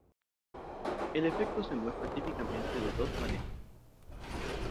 El efecto se muestra típicamente de dos maneras.